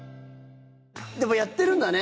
でも、やってるんだね。